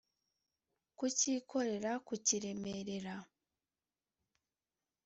kukikorera kukiremerera